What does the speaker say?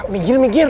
fahri harus tau nih